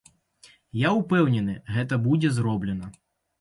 Я ўпэўнены, гэта будзе зроблена.